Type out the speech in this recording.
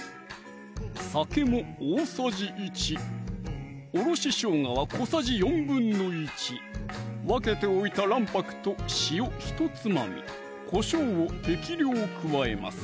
酒も大さじ１おろししょうがは小さじ１／４分けておいた卵白と塩ひとつまみこしょうを適量加えます